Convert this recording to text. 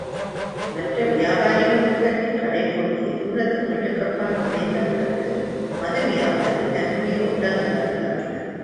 மற்ற வியாபாரிகள் கூட்டத்தின் கடைப்பகுதி, தூரத்து மேட்டுக்கப்பால் மறைந்த பிறகு, மது வியாபாரி தன்னுடைய ஒட்டகங்களைக் கிளப்பினான்.